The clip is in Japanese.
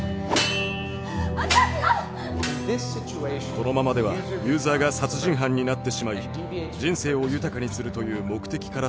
このままではユーザーが殺人犯になってしまい人生を豊かにするという目的からそれてしまう。